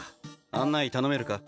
案内頼めるか？